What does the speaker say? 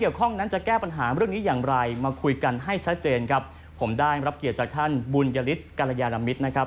วันนี้มาคุยกันนะครับท่านสวัสดีครับ